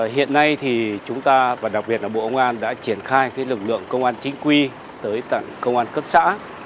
hiện nay thì chúng ta và đặc biệt là bộ công an đã triển khai lực lượng công an chính quy tới tận công an cấp xã